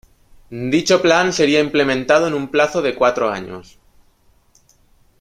Dicho plan sería implementado en un plazo de cuatro años.